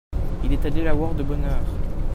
Il est allé la voir de bonne heure.